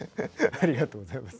ありがとうございます。